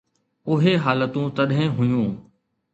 اهي حالتون تڏهن هيون.